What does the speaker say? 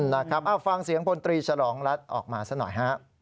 นะครับฟังเสียงพลตรีฉลองรัฐออกมาซะหน่อยฮะ